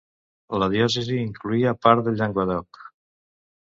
La diòcesi incloïa part del Llenguadoc.